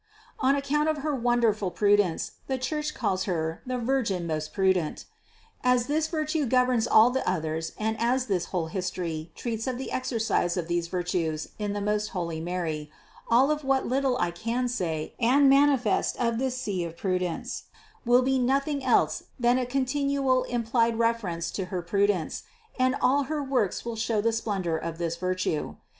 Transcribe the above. On account of her wonderful pru 411 412 CITY OF GOD dence the Church calls her the "Virgin most pru dent." As this virtue governs all the others and as this whole history treats of the exercise of these virtues in the most holy Mary, all of what little I can say and manifest of this sea of prudence will be nothing else than a con tinual implied reference to her prudence, and all her works will show the splendor of this virtue.